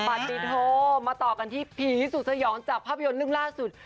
ปฏิโทมาต่อกันที่ผีสุดสยองจากภาพยนตร์เรื่องล่าสุด